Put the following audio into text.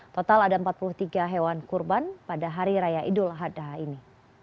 total ada empat puluh tiga hewan kurban pada hari raya idul adha ini